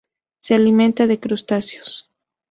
Se alimenta de crustáceos.